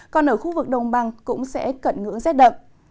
còn ở khu vực đồng bằng cũng sẽ cận ngưỡng rét đậm